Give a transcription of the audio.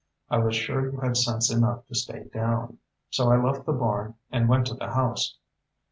I was sure you had sense enough to stay down. So I left the barn and went to the house."